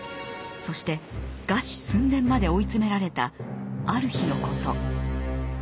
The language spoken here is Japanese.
そして餓死寸前まで追い詰められたある日のこと。